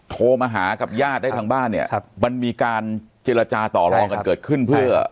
โทรมาหากับญาติได้ทางบ้านเนี่ยครับมันมีการเจรจาต่อรองกันเกิดขึ้นเพื่อ